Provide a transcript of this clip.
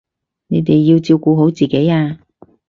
你哋要照顧好自己啊